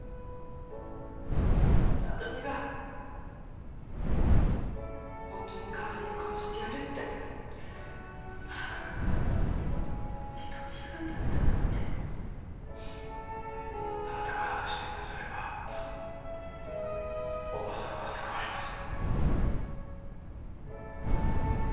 私が夫の代わりに殺してやるってはあ人違いだったなんてあなたが話してくだされば大庭さんは救われます